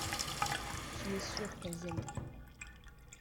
Tu es sûr qu’elles aimaient.